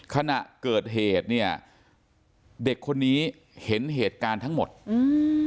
ขณะเกิดเหตุเนี้ยเด็กคนนี้เห็นเหตุการณ์ทั้งหมดอืม